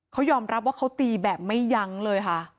เขายอมรับว่าเขาตีแบบไม่ยั้งเลยค่ะ